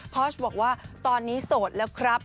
พอชบอกว่าตอนนี้โสดแล้วครับ